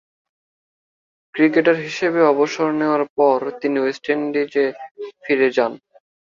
Cricketer হিসেবে অবসর নেয়ার পর তিনি ওয়েস্ট ইন্ডিজে ফিরে যান।